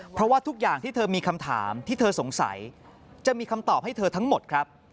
เพราะว่าทุกอย่างที่เธอมีคำถามที่เธอสงสัยจะมีคำตอบให้เธอทั้งหมดครับ